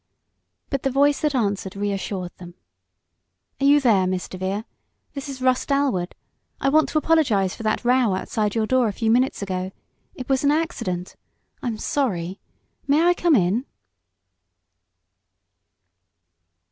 But the voice that answered reassured them. "Are you there, Miss DeVere? This is Russ Dalwood. I want to apologize for that row outside your door a few minutes ago. It was an accident. I'm sorry. May I come in?"